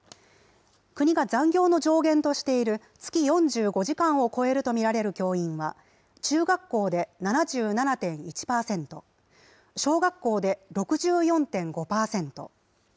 国が残業の上限としている月４５時間を超えると見られる教員は、中学校で７７．１％、小学校で６４．５％。